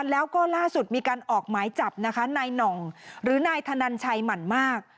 แล้วก็ล่าสุดมีการออกหมายจับนะคะนายหน่องหรือนายธนันชัยหมั่นมาก